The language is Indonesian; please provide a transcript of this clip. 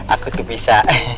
aku tuh bisa